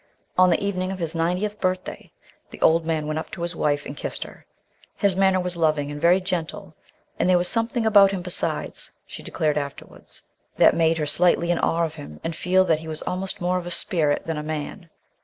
On the evening of his ninetieth birthday the old man went up to his wife and kissed her. His manner was loving, and very gentle, and there was something about him besides, she declared afterwards, that made her slightly in awe of him and feel that he was almost more of a spirit than a man.